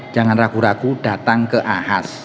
jangan ragu ragu datang ke ahas